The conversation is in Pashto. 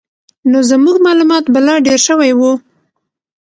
نو زموږ معلومات به لا ډېر شوي وو.